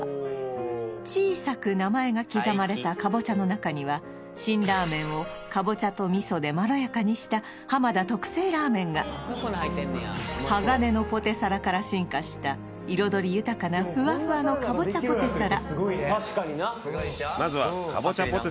小さく名前が刻まれたかぼちゃの中には辛ラーメンをかぼちゃと味噌でまろやかにした田特製ラーメンが鋼のポテサラから進化した彩り豊かなふわふわのかぼちゃポテサラ